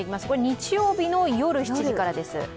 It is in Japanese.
これは日曜日の夜７時からです。